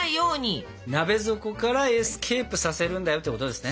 鍋底からエスケープさせるんだよってことですね。